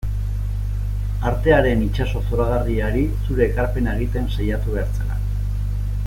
Artearen itsaso zoragarriari zure ekarpena egiten saiatu behar zara.